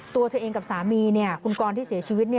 ตัวเธอเองกับสามีคุณกรที่เสียชีวิต